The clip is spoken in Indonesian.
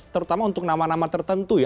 terutama untuk nama nama tertentu ya